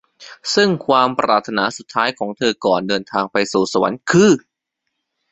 ซึ่งความปรารถนาสุดท้ายของเธอก่อนเดินทางไปสู่สวรรค์คือ